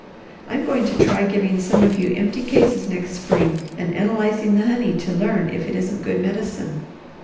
I'm going to try giving some of you empty cases next spring and analyzing the honey to learn if it isn't good medicine."